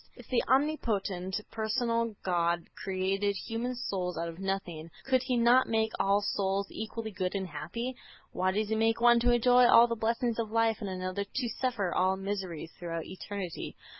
If the omnipotent personal God created human souls out of nothing, could He not make all souls equally good and happy? Why does He make one to enjoy all the blessings of life and another to suffer all miseries throughout eternity?